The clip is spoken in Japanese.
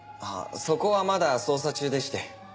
そこはまだ捜査中でして。